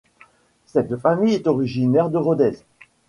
Sa famille est originaire de Rodez.